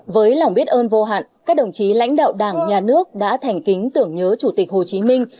với lòng biết ơn vô hạn các đồng chí lãnh đạo đảng nhà nước đã thành kính tưởng nhớ chủ tịch hồ chí minh